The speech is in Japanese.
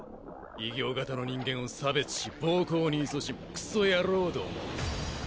異形型の人間を差別し暴行に勤しむクソ野郎共。